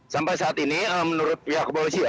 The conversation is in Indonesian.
sampai saat ini menurut pihak kepolisian